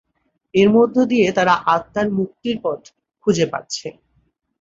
এর মধ্য দিয়ে তারা আত্মার মুক্তির পথ খুঁজে পাচ্ছে।